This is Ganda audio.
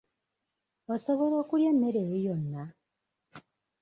Osobola okulya emmere eyo yonna?